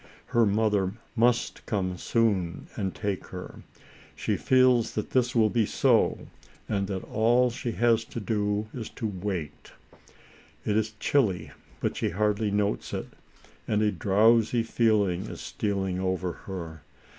Her mother must come soon and take her. She feels that this will be so, and that all she has to do is to wait. It is chilly, but she hardly notes it, and a drowsy feeling is stealing over her.